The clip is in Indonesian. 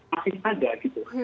masih ada gitu